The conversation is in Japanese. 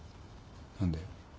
何で？